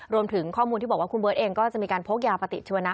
รวมถึงข้อมูลที่บอกว่าคุณเบิร์ตเองก็จะมีการพกยาปฏิชีวนะ